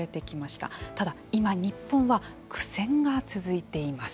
ただ今日本は苦戦が続いています。